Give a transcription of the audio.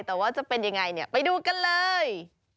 แต่ว่าจะเป็นยังไงเนี่ยไปดูกันเลย